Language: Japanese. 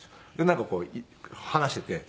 なんかこう話してて。